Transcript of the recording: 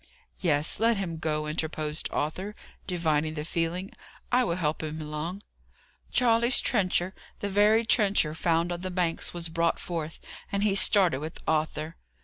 "Yes, let him go," interposed Arthur, divining the feeling. "I will help him along." Charley's trencher the very trencher found on the banks was brought forth, and he started with Arthur.